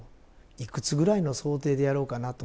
いくつぐらいの想定でやろうかなと。